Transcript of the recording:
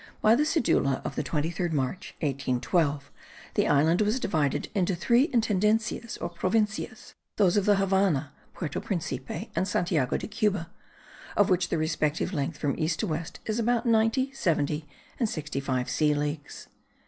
By the cedula of the 23rd March, 1812, the island was divided into three Intendencias or Provincias; those of the Havannah, Puerto Principe and Santiago de Cuba, of which the respective length from east to west is about ninety, seventy and sixty five sea leagues.